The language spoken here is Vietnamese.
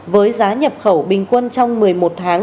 với giá nhập khẩu bình quân trong một mươi một tháng